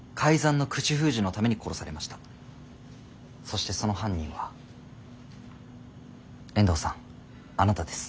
そしてその犯人は遠藤さんあなたです。